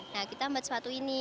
nah kita buat sepatu ini